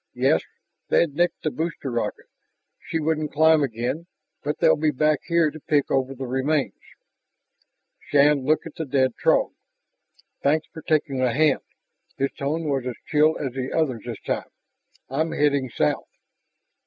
"Yes, they'd nicked the booster rocket; she wouldn't climb again. But they'll be back here to pick over the remains." Shann looked at the dead Throg. "Thanks for taking a hand." His tone was as chill as the other's this time. "I'm heading south...."